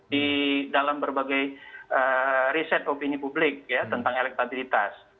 di dalam berbagai riset opini publik ya tentang elektabilitas